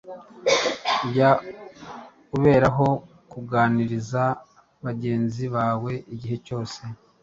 Jya uberaho kuganiriza bagenzi bawe igihe cyose